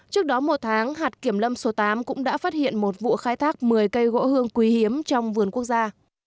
trước đó một tháng hạt kiểm lâm số tám cũng đã phát hiện một vụ khai thác một mươi cây gỗ hương quý hiếm trong vườn quốc gia